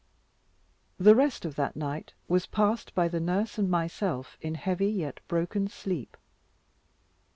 The rest of that night was passed by the nurse and myself in heavy yet broken sleep.